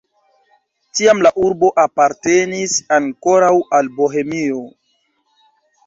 Tiam la urbo apartenis ankoraŭ al Bohemio.